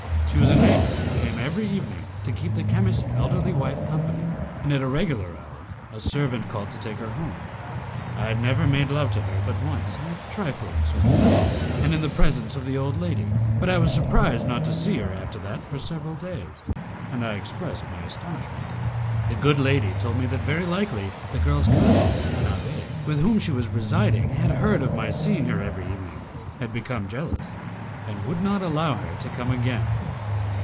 She was a neighbour, and came every evening to keep the chemist's elderly wife company, and at a regular hour a servant called to take her home. I had never made love to her but once in a trifling sort of way, and in the presence of the old lady, but I was surprised not to see her after that for several days, and I expressed my astonishment. The good lady told me that very likely the girl's cousin, an abbé, with whom she was residing, had heard of my seeing her every evening, had become jealous, and would not allow her to come again.